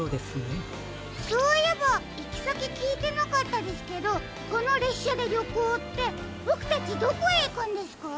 そういえばいきさききいてなかったですけどこのれっしゃでりょこうってボクたちどこへいくんですか？